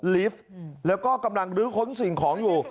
ลิฟต์แล้วก็กำลังลื้อค้นสิ่งของอยู่